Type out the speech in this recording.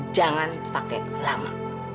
jangan pake lama